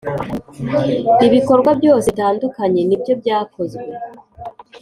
ibikorwa byose bitandukanye nibyo byakozwe